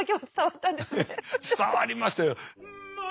伝わりましたよ。